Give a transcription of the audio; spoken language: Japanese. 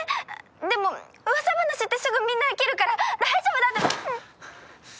でも噂話ってすぐみんな飽きるから大丈夫だって。